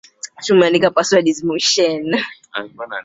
Hii ni pamoja na watu bilioni moja nukta mbili ambao hawana vyoo